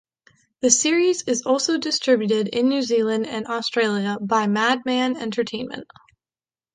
The series is also distributed in New Zealand and Australia by Madman Entertainment.